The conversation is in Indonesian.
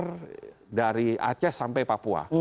dari aceh sampai papua